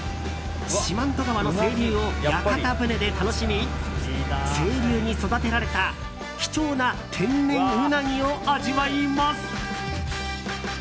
四万十川の清流を屋形船で楽しみ清流に育てられた貴重な天然ウナギを味わいます。